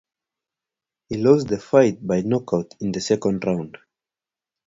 He lost the fight by knockout in the second round.